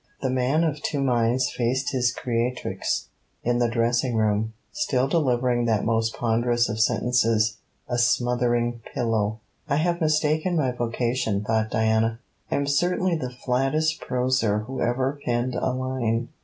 THE MAN OF TWO MINDS faced his creatrix in the dressing room, still delivering that most ponderous of sentences a smothering pillow! I have mistaken my vocation, thought Diana: I am certainly the flattest proser who ever penned a line.